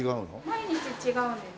毎日違うんです。